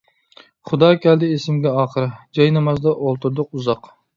خۇدا كەلدى ئېسىمگە ئاخىر، جاينامازدا ئولتۇردۇق ئۇزاق.